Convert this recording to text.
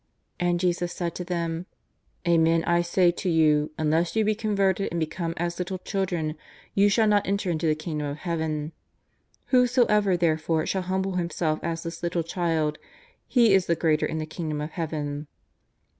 And Jesus said to them : ^'Amen, I say to you unless you be converted and become as little children you shall not enter into the Kingdom of Heaven. Whoso ever therefore shall humble himself as this little child, he is the greater in the Kingdom of Heaven."